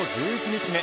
１１日目